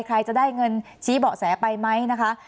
ใครจะได้เงินชี้เบาะแสไปไหมนะคะ